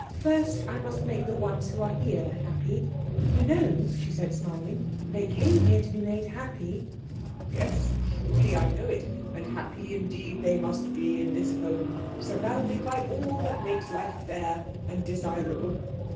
First I must make the ones who are here happy. You know," she said, smiling, "they came here to be made happy." "Yes, truly I know it. And happy indeed must they be in this home, surrounded by all that makes life fair and desirable."